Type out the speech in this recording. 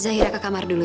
zahira ke kamar dulu ya